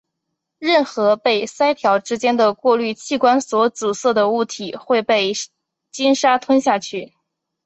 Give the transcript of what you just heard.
任何被鳃条之间的过滤器官所阻塞的物体会被鲸鲨吞下去。